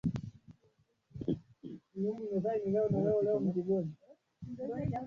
na kiongozi wa mwisho wa Kisovyeti Mikhail Gorbachev na Kansela wa zamani wa Ujerumani